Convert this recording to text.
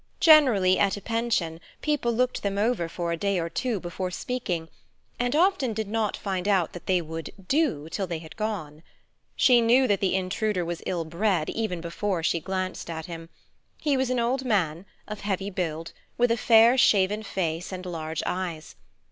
Generally at a pension people looked them over for a day or two before speaking, and often did not find out that they would "do" till they had gone. She knew that the intruder was ill bred, even before she glanced at him. He was an old man, of heavy build, with a fair, shaven face and large eyes.